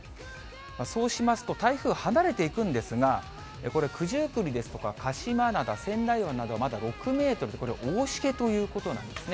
そうしますと台風離れていくんですが、これ、九十九里ですとか、鹿島灘、仙台湾など、６メートルとこれ、大しけということなんですね。